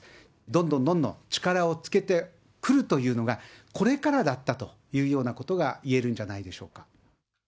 どんどんどんどん力をつけてくるというのが、これからだったというようなことがいえるんじゃないでしょうか。